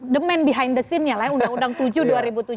the man behind the scene nya lah ya undang undang tujuh